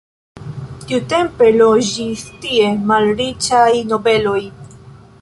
Tiutempe loĝis tie malriĉaj nobeloj.